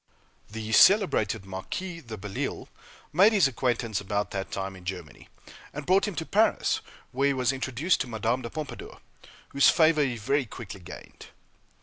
The celebrated Marquis de Belleisle made his acquaintance about that time in Germany, and brought him to Paris, where he was introduced to Madame de Pompadour, whose favor he very quickly gained.